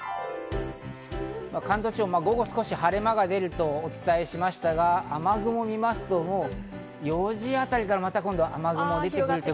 関東地方、午後、少し晴れ間が出るとお伝えしましたが、雨雲をみますと、４時あたりからまた雨雲が出てきます。